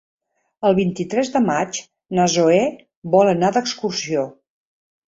El vint-i-tres de maig na Zoè vol anar d'excursió.